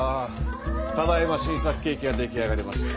ただ今新作ケーキが出来上がりました。